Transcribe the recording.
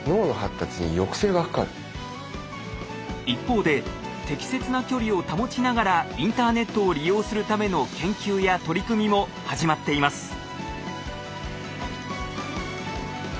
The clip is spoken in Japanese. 一方で適切な距離を保ちながらインターネットを利用するための研究や取り組みも始まっています。